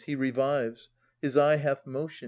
He revives. His eye hath motion.